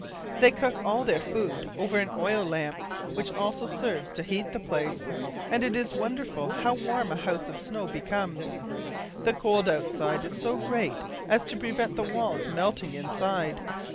They cook all their food over an oil lamp, which also serves to heat the place; and it is wonderful how warm a house of snow becomes. The cold outside is so great as to prevent the walls melting inside.